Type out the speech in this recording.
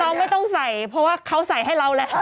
เขาไม่ต้องใส่เพราะว่าเขาใส่ให้เราแล้ว